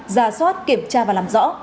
ra soát kiểm tra và làm rõ